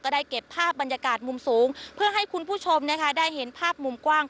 ได้เก็บภาพบรรยากาศมุมสูงเพื่อให้คุณผู้ชมนะคะได้เห็นภาพมุมกว้าง